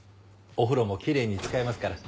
お風呂もきれいに使いますから。